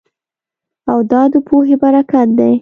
او دا د پوهې برکت دی